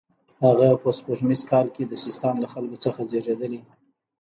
هغه په سپوږمیز کال کې د سیستان له خلکو څخه زیږېدلی.